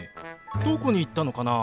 どこに行ったのかな？